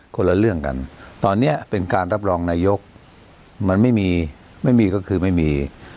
คนละเรื่องกันตอนนี้เป็นการรับรองนายกมันไม่มีไม่มีก็คือไม่มี